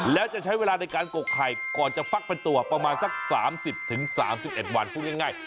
แล้วจะใช้เวลาในการกกไข่ก่อนจะฟักเป็นตัวประมาณสัก๓๐๓๑วันพูดง่าย